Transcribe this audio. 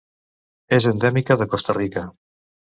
És endèmica de Costa Rica.